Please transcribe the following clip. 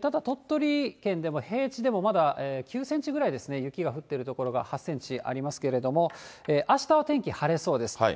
ただ、鳥取県では、平地でもまだ９センチぐらいですね、雪が降ってる所が、８センチありますけれども、あした、天気晴れそうです。